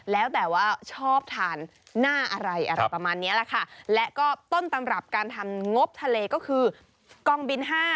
แล้วแต่ว่าชอบทานหน้าอะไรอะไรประมาณเนี้ยแหละค่ะและก็ต้นตำรับการทำงบทะเลก็คือกองบินห้า